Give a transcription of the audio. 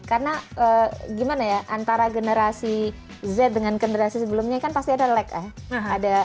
karena gimana ya antara generasi z dengan generasi sebelumnya kan pasti ada lag ya